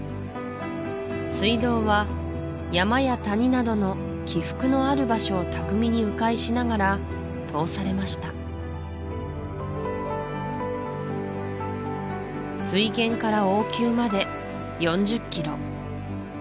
水道は山や谷などの起伏のある場所を巧みに迂回しながら通されました水源から王宮まで４０キロ